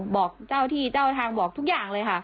บอกเจ้าที่เจ้าทางบอกทุกอย่างเลยค่ะ